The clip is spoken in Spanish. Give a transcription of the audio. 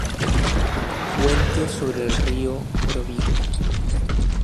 Puente sobre el río Órbigo.